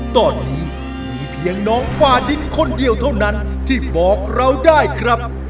ตอนนี้มีเพียงน้องฟาดินคนเดียวเท่านั้นที่บอกเราได้ครับ